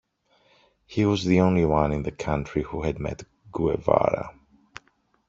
He was the only one in the country who had met Guevara.